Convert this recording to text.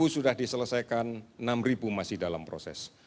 sepuluh sudah diselesaikan enam masih dalam proses